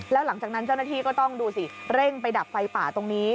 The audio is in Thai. แล้วหลังจากนั้นเจ้าหน้าที่ก็ต้องดูสิเร่งไปดับไฟป่าตรงนี้